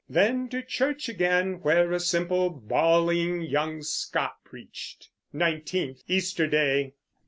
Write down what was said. Then to church again, where a simple bawling young Scot preached. 19th (Easter day).